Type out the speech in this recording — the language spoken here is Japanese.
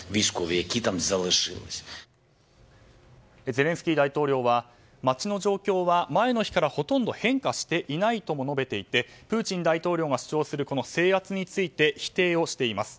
ゼレンスキー大統領は町の状況は前の日からほとんど変化していないとも述べていてプーチン大統領が主張する制圧について否定しています。